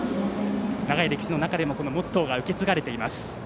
長い歴史の中でもモットーが受け継がれています。